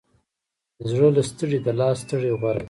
د زړه له ستړې، د لاس ستړې غوره ده.